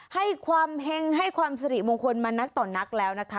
ให้ความเห็งให้ความสิริมงคลมานักต่อนักแล้วนะคะ